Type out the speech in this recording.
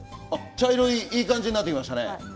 茶色い、いい感じになってきましたね。